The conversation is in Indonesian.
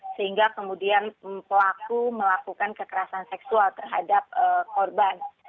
sehingga kemudian pelaku melakukan kekerasan seksual terhadap korban